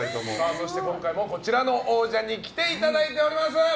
そして今回もこちらの王者に来ていただいております。